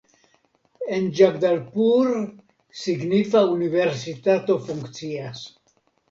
En Ĝagdalpur signifa universitato funkcias.